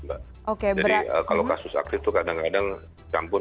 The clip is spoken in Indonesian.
jadi kalau kasus aktif itu kadang kadang campur